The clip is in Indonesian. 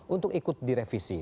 untuk ikut direvisi